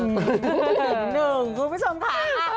หนึ่งคุณผู้ชมค่ะ